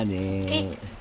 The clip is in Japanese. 「えっ？